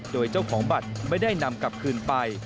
โดยเจ้าของบัตรไม่ได้นำกลับคืนไป